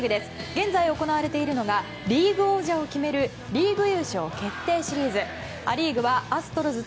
現在、行われているのがリーグ王者を決めるリーグ優勝決定シリーズ。